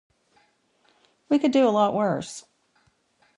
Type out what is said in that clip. We could do a lot worse.